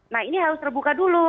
nah ini harus terbuka dulu